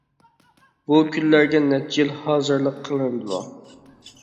بۇ كۈنلەرگە نەچچە يىل ھازىرلىق قىلىنىدۇ.